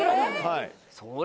はい。